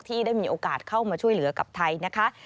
ที่ได้มีโอกาสเข้ามาช่วยเหลือกับไทยนะคะ